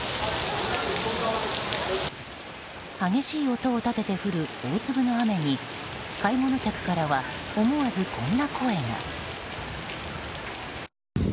激しい音を立てて降る大粒の雨に買い物客からは思わずこんな声が。